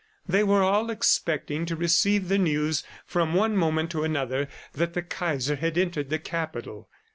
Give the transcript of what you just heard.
They were all expecting to receive the news from one moment to another, that the Kaiser had entered the Capital.